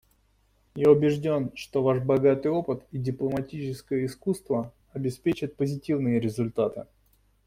Я убежден, что Ваш богатый опыт и дипломатическое искусство обеспечат позитивные результаты.